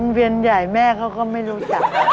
เวียนใหญ่แม่เขาก็ไม่รู้จัก